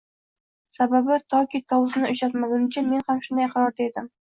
Sababi toki tovusni uchratmagunimcha men ham shunday iqrorda edim